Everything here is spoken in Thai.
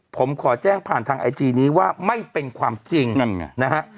ผมขอแจ้งผ่านทางไอจีนี้ว่าไม่เป็นความจริงนั่นไงนะฮะ